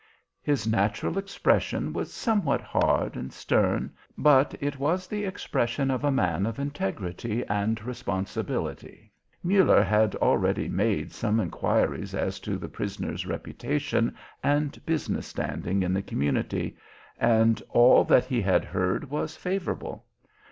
His natural expression was somewhat hard and stern, but it was the expression of a man of integrity and responsibility. Muller had already made some inquiries as to the prisoner's reputation and business standing in the community, and all that he had heard was favourable.